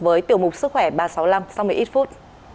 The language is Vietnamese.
với tiểu mục sức khỏe ba trăm sáu mươi năm sau một mươi ít phút